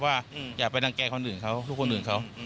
ว่าอยากไปดังแกล้งคนอื่นเขาลูกคนอื่นเขา